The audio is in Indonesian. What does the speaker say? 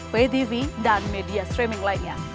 vtv dan media streaming lainnya